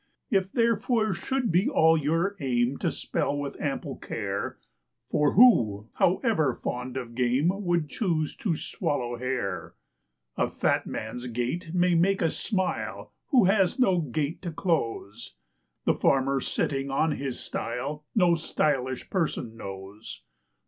It therefore should be all your aim to spell with ample care; For who, however fond of game, would choose to swallow hair? A fat man's gait may make us smile, who has no gate to close; The farmer, sitting on his stile no _sty_lish person knows.